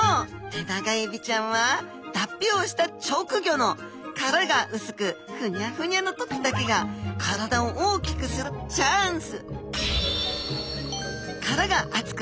テナガエビちゃんは脱皮をした直後の殻が薄くふにゃふにゃの時だけが体を大きくするチャンス！